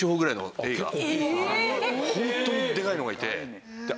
ホントにでかいのがいて。